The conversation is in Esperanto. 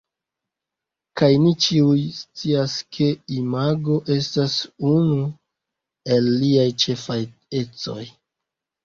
Kaj ni ĉiuj scias, ke imago estas unu el liaj ĉefaj ecoj.